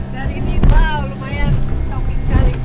dari di wah lumayan copi sekali